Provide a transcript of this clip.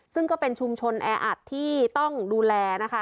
ซึ่งก็เป็นชุมชนแออัดที่ต้องดูแลนะคะ